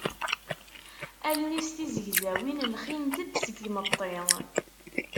Allen-is tizegzawin lxint-d seg yimetti.